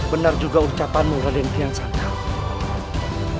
benar juga ucapamu rade ndiang santang